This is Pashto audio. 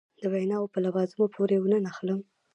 د ویناوو په لوازمو پورې ونه نښلم.